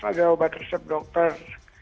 ada obat resep dokter